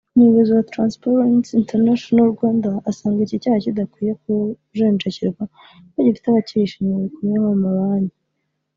umuyobozi wa ‘Transparency International Rwanda’ asanga iki cyaha kidakwiye kujenjekerwa kuko gifite abacyihishe inyuma bakomeye nko mu mabanki